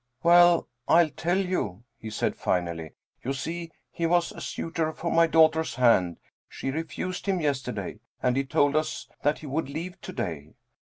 "Well, I'll tell you," he said finally ;" you see he was a suitor for my daughter's hand. She refused him yesterday and he told us that he would leave to day."